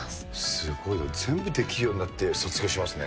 すごいよ、全部できるようになって卒業しますね。